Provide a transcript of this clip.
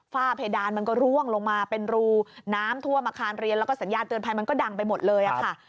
เพดานมันก็ร่วงลงมาเป็นรูน้ำท่วมอาคารเรียนแล้วก็สัญญาณเตือนภัยมันก็ดังไปหมดเลยค่ะ